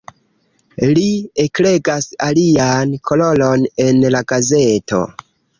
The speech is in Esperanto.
Li eklegas alian kolonon en la gazeto.